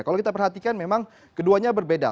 kalau kita perhatikan memang keduanya berbeda